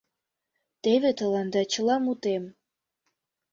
Теве тыланда чыла мутем.